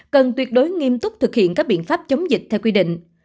cần tuyệt đối nghiêm túc thực hiện các biện pháp chống dịch theo quy định